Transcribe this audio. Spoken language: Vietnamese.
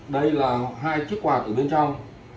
đây là hai chiếc quạt ở bên trong